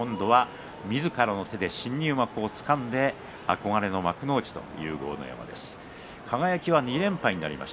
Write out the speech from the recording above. みずからの手で新入幕をつかんで憧れの幕内ということになります。